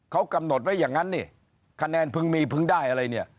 เขากำหนดไว้อย่างนั้นนี่คะแนนพึงมีพึงได้อะไรเนี่ย